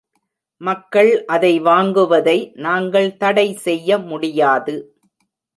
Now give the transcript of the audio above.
மக்கள் அதை வாங்குவதை நாங்கள் தடை செய்ய முடியாது.